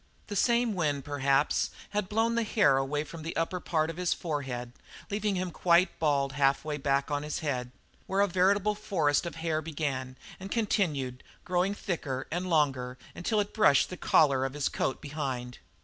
The same wind, perhaps, had blown the hair away from the upper part of his forehead, leaving him quite bald half way back on his head, where a veritable forest of hair began, and continued, growing thicker and longer, until it brushed the collar of his coat behind.